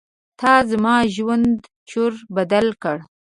تا زما ژوند چور بدل کړ.